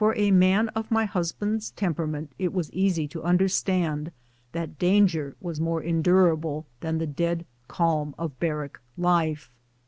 For a man of my husband's temperament it was easy to understand that danger was more endurable than the dead calm of barrack life.